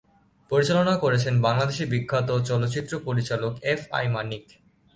পরিচালনা করেছেন বাংলাদেশি বিখ্যাত চলচ্চিত্র পরিচালক এফ আই মানিক।